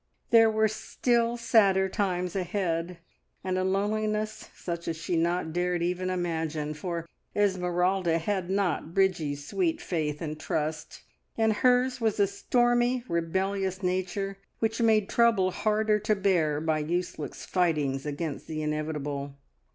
There were still sadder times ahead, and a loneliness such as she dared not even imagine; for Esmeralda had not Bridgie's sweet faith and trust, and hers was a stormy, rebellious nature, which made trouble harder to bear by useless fightings against the inevitable.